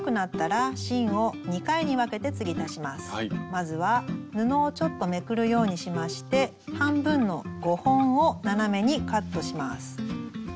まずは布をちょっとめくるようにしまして半分の５本を斜めにカットします。